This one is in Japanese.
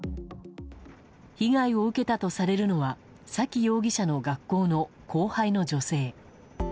被害を受けたとされるのは崎容疑者の学校の後輩の女性。